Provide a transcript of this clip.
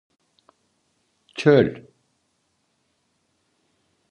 Çöl.